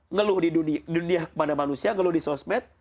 ngeluh di dunia kepada manusia ngeluh di sosmed